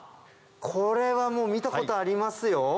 これは見たことありますよ。